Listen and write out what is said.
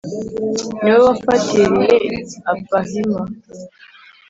Ni wowe wafatiriye Abahima?"